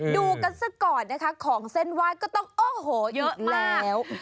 ดูกันซะก่อนนะคะของเส้นไหว้ก็ต้องโอ้โหเยอะแล้ว